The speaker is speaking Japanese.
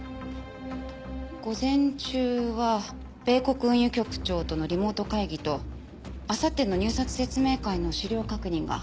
午前中は米国運輸局長とのリモート会議とあさっての入札説明会の資料確認が。